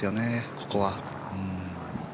ここは。